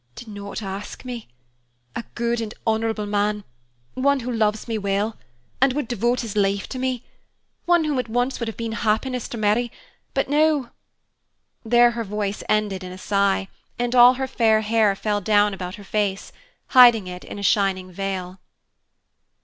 "Do not ask me. A good and honorable man; one who loves me well, and would devote his life to me; one whom once it would have been happiness to marry, but now " There her voice ended in a sigh, and all her fair hair fell down about her face, hiding it in a shining veil.